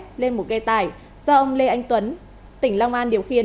trên một ghe tải do ông lê anh tuấn tỉnh long an điều khiển